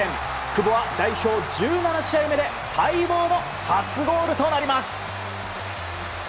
久保は代表１７試合目で待望の初ゴールとなります。